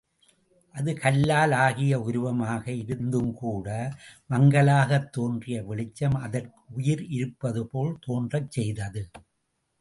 அது கல்லால் ஆகிய உருவமாக இருந்துங்கூட, மங்கலாகத் தோன்றிய வெளிச்சம் அதற்கு உயிர் இருப்பதுபோல் தோன்றச் செய்தது.